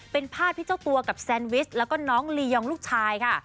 เป็นภาพที่เจ้าตัวกับแซนวิชแล้วก็น้องลียองลูกชายค่ะ